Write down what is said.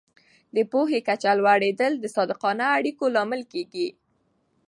د پوهې کچه لوړېدل د صادقانه اړیکو لامل کېږي.